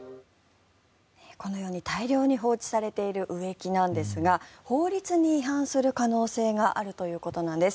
このように大量に放置されている植木なんですが法律に違反する可能性があるということです。